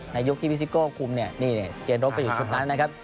ในยุคที่พิซิโกคุมเจนรถไปอยู่ทุกชุดนั้นนะครับ